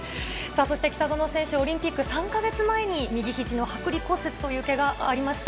そして北園選手、オリンピック３か月前に、右ひじの剥離骨折というけがありました。